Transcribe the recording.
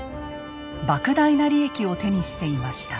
ばく大な利益を手にしていました。